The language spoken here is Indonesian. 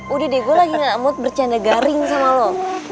udah deh gue lagi ngelamut bercanda garing sama lo